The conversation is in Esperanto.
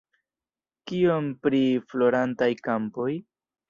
Kion pri florantaj kampoj?